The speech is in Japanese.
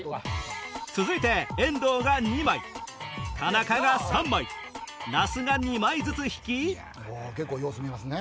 続いて遠藤が２枚田中が３枚那須が２枚ずつ引き結構様子見ますね。